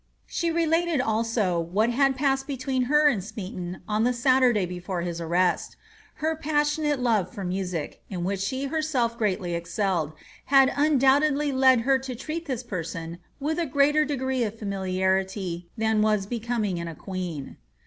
She related, also, what had passed be tween her and Smeaton on the Saturday before his arrest' Her pas fiooate love for music, in which she herself greatly excelled, had un doubtedly led her to treat this person with a greater degree of &miliarity than was becoming in a queen.